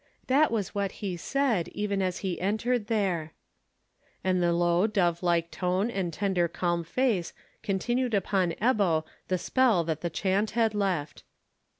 That was what he said, even as he entered there." And the low dove like tone and tender calm face continued upon Ebbo the spell that the chant had left.